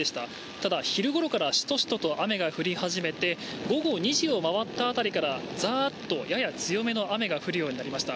ただ昼ごろからしとしとと雨が降り始めて午後２時を回った辺りからザーっとやや強めの雨が降るようになりました。